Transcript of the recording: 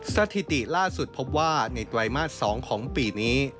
สถิติล่าสุดพบว่าในไตรมาส๒ของปีนี้